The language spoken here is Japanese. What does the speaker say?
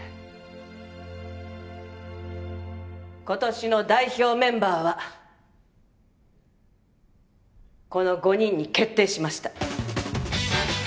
今年の代表メンバーはこの５人に決定しました。